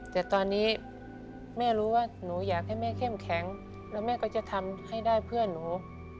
แต่ตอนนี้แม่รู้ว่าหนูอยากให้แม่เข้มแข็งแล้วแม่ก็จะทำให้ได้เพื่อนหนู